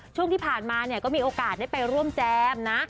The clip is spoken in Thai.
ช่วงที่ผ่านมาเนี่ยก็มีโอกาสได้ไปร่วมแจมนะ